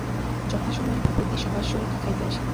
যথাসময়ে ভূপতি সহাস্যমুখে খাইতে আসিল।